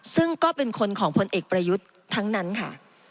ซึ่งก็เป็นคนของพลเอกประยุทธ์ทั้งนั้นค่ะ